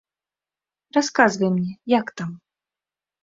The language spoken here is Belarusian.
Расказвай мне, як там.